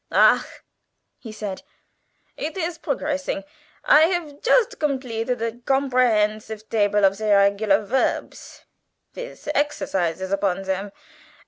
"Ach," he said, "it is brogressing. I haf just gompleted a gomprehensive table of ze irregular virps, vith ze eggserzizes upon zem.